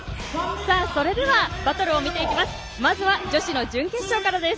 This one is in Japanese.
それではバトルを見ていきます。